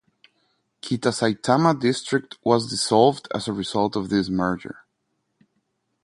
Kitasaitama District was dissolved as a result of this merger.